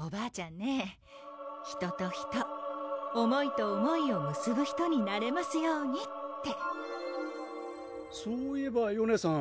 おばあちゃんね人と人思いと思いをむすぶ人になれますようにってそういえばよねさん